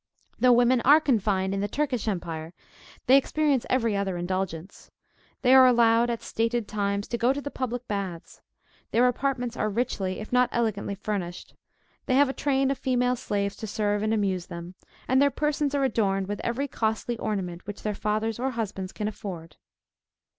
Though women are confined in the Turkish empire, they experience every other indulgence. They are allowed, at stated times, to go to the public baths; their apartments are richly, if not elegantly furnished; they have a train of female slaves to serve and amuse them; and their persons are adorned with every costly ornament which their fathers or husbands can afford.